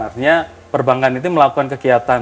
artinya perbankan itu melakukan kegiatan dan kegiatan